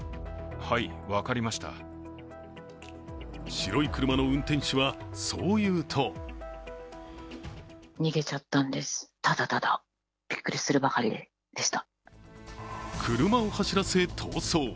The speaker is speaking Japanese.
白い車の運転手は、そう言うと車を走らせ逃走。